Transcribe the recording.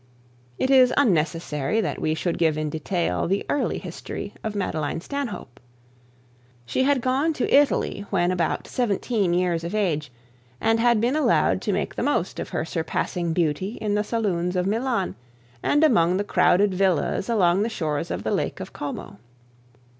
It is unnecessary that we should give in detail the early history of Madeline Stanhope. She had gone to Italy when seventeen years of age, and had been allowed to make the most of her surpassing beauty in the saloons of Milan, and among the crowded villas along the shores of the Lake of Como.